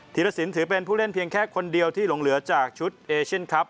ีรสินถือเป็นผู้เล่นเพียงแค่คนเดียวที่หลงเหลือจากชุดเอเชียนครับ